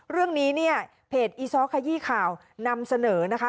เรื่องนี้เนี่ยเพจอีซ้อขยี้ข่าวนำเสนอนะคะ